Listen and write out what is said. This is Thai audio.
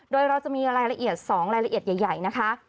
โดยเราจะมีรายละเอียด๒รายละเอียดใหญ่นะคะ